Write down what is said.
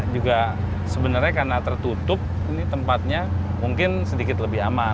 juga sebenarnya karena tertutup ini tempatnya mungkin sedikit lebih aman